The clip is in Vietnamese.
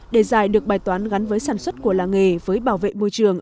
đề dài được bài toán gắn với sản xuất của làng nghề với bảo vệ môi trường